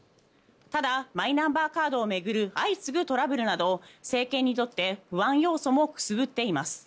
ただ、マイナンバーカードを巡る相次ぐトラブルなど政権にとって不安要素もくすぶっています。